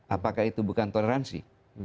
apakah itu bukan toleransi